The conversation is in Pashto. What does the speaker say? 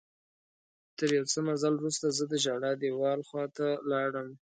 تر یو څه مزل وروسته زه د ژړا دیوال خواته لاړم.